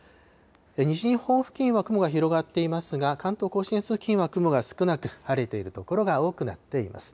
西日本付近は雲が広がっていますが、関東甲信越付近は雲が少なく、晴れている所が多くなっています。